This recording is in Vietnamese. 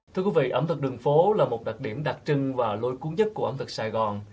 thưa quý vị ẩm thực đường phố là một đặc điểm đặc trưng và lôi cuốn nhất của ẩm thực sài gòn